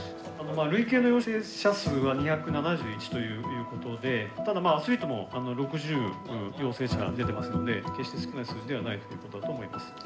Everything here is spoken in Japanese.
累計の陽性者数は２７１ということでただアスリートも６０陽性者が出てますので決して少ない数字ではないということだと思います。